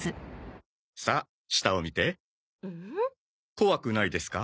怖くないですか？